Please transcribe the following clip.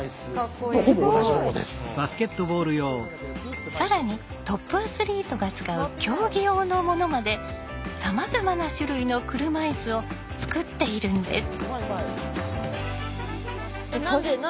これは更にトップアスリートが使う競技用のものまでさまざまな種類の車いすを作っているんです。